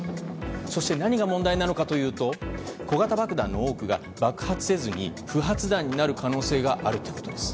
そして、何が問題なのかというと小型爆弾の多くが爆発せずに不発弾になる可能性があるということです。